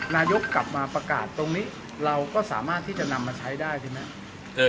นายกกลับมาประกาศตรงนี้เราก็สามารถที่จะนำมาใช้ได้ใช่ไหม